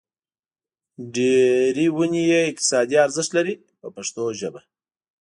ډېرې ونې یې اقتصادي ارزښت لري په پښتو ژبه.